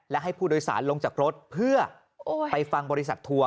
และให้ผู้โดยสารลงจากรถเพื่อไปฟังบริษัททัวร์